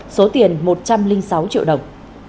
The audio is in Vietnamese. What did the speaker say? số tiền một trăm linh sáu triệu đồng